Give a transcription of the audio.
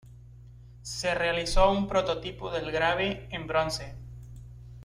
Se realizó un prototipo del grave en bronce.